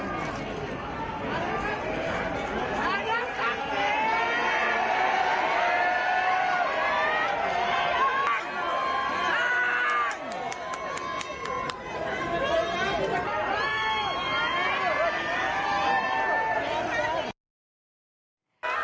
สวมสูตรจากฝรกาศไลก์